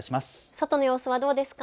外の様子はどうですか。